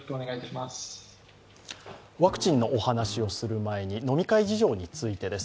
ワクチンのお話をする前に飲み会事情についてです。